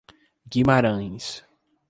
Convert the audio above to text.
Guimarães